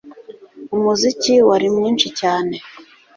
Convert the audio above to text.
Umuziki wari mwinshi cyane